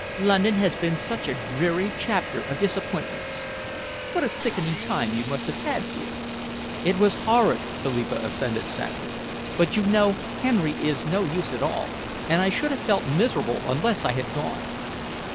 London has been such a dreary chapter of disappointments." "What a sickening time you must have had, dear!" "It was horrid," Philippa assented sadly, "but you know Henry is no use at all, and I should have felt miserable unless I had gone.